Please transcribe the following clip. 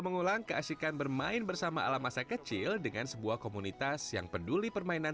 mengulang keasikan bermain bersama ala masa kecil dengan sebuah komunitas yang peduli permainan